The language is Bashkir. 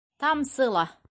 Тамсы ла!